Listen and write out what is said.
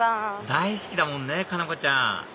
大好きだもんね佳菜子ちゃん